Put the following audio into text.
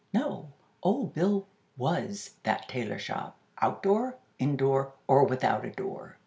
No, Old Bill was that tailor shop outdoor, indoor, or without a door.